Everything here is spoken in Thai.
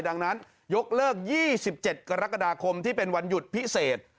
ดังนั้นยกเลิก๒๗กรกฎาคมที่เป็นวันหยุดพิเศษ